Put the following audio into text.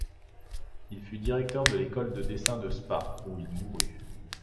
Il fut directeur de l'École de dessin de Spa, où il mourut.